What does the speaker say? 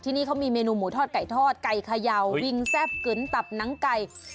นี่เขามีเมนูหมูทอดไก่ทอดไก่เขย่าวิงแซ่บกึ๋นตับหนังไก่